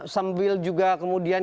sambil juga kemudian